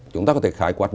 chúng ta có thể khải quạt